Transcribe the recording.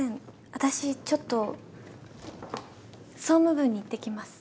私ちょっと総務部に行ってきます。